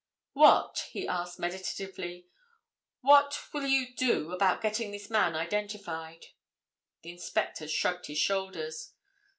"What," he asked meditatively, "what will you do about getting this man identified?" The inspector shrugged his shoulders.